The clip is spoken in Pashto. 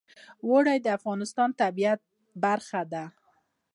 اوړي د افغانستان د طبیعت برخه ده.